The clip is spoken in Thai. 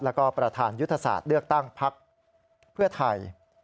แล้วก็ประธานยุทธศาสตร์เลือกตั้งพักเพื่อไทย